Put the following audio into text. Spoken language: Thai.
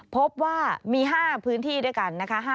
พบว่ามี๕พื้นที่ด้วยกันนะคะ